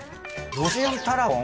ロシアンタラゴン？